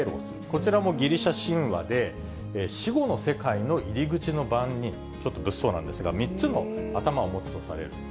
こちらもギリシャ神話で死後の世界の入り口の番人、ちょっと物騒なんですが、３つの頭を持つとされる。